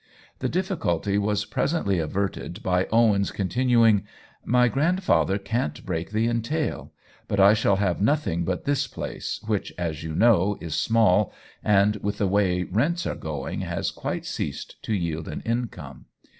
The difficulty was presently averted by Owen's continuing: "My grandfather can't break the entail ; but I shall have nothing but this place, which, as you know, is small and, with the way rents are going, has quite ceased to yield an income.